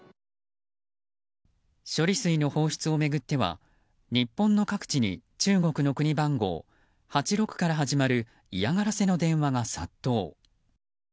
処理水の放出を巡っては日本の各地に中国の国番号８６から始まる嫌がらせの電話が殺到。